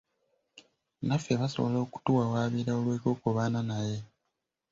Naffe basobola okutuwawaabira olw'okwekobaana naye.